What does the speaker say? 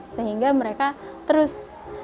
sehingga mereka terus